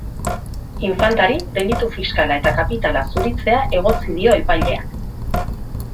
Infantari delitu fiskala eta kapitala zuritzea egotzi dio epaileak.